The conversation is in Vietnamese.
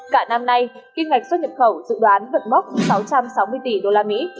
cả năm nay kinh ngạch xuất nhập khẩu dự đoán vận mốc sáu trăm sáu mươi tỷ usd